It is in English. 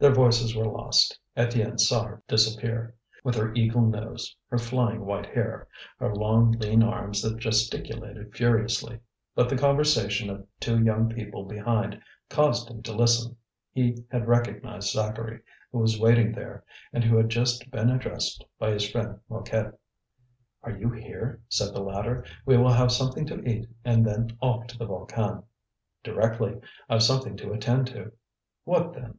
Their voices were lost. Étienne saw her disappear, with her eagle nose, her flying white hair, her long, lean arms that gesticulated furiously. But the conversation of two young people behind caused him to listen. He had recognized Zacharie, who was waiting there, and who had just been addressed by his friend Mouquet. "Are you here?" said the latter. "We will have something to eat, and then off to the Volcan." "Directly. I've something to attend to." "What, then?"